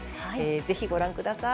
ぜひご覧ください。